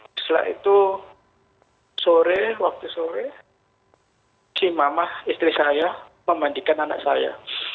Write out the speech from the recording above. setelah itu sore waktu sore si mama istri saya memandikan anak saya